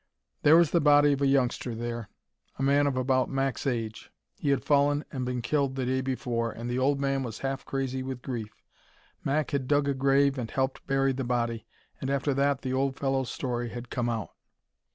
There was the body of a youngster there, a man of about Mac's age. He had fallen and been killed the day before, and the old man was half crazy with grief. Mac had dug a grave and helped bury the body, and after that the old fellow's story had come out.